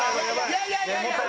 いやいやいやいや！